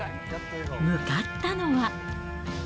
向かったのは。